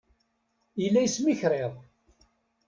Yella yesmikriḍ.